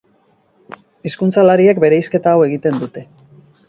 Hizkuntzalariek bereizketa hau egiten dute.